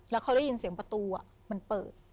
แล้วเขาได้ยินเสียงประตูมันเปิด